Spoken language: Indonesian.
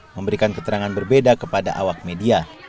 memberikan keterangan berbeda kepada awak media